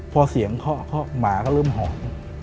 พอเสียงเคาะหมาก็เริ่มหอน